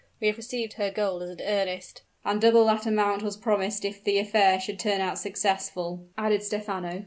We have received her gold as an earnest " "And double that amount was promised if the affair should turn out successful," added Stephano.